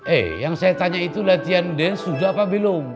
eh yang saya tanya itu latihan dance sudah apa belum